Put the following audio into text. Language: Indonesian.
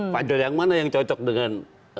fajar yang mana yang cocok dengan